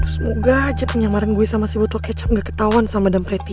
semoga aja penyamaran gue sama si botol kecap gak ketauan sama madam preti